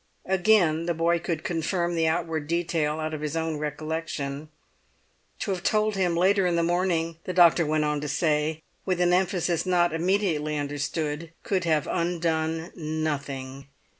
Again the boy could confirm the outward detail out of his own recollection. To have told him later in the morning, the doctor went on to say, with an emphasis not immediately understood, could have undone nothing.